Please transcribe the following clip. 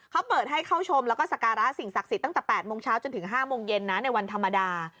เขาเปิดให้เข้าชมแล้วก็สการะสิ่งศักดิ์สิทธิ์ตั้งแต่๘โมงเช้าจนถึง๕โมงเย็นนะในวันธรรมดา